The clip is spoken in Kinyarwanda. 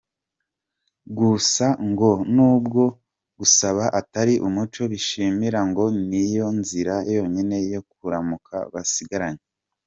Gusa ngo nubwo gusaba atari umuco bishimira ngo niyo nzira yonyine yo kuramuka basigaranye.